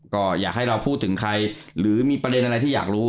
ก็อยากให้เราพูดถึงใครหรือมีประเด็นอะไรที่อยากรู้